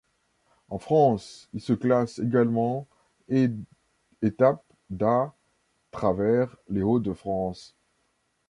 En France, il se classe également et étapes d'À travers les Hauts-de-France.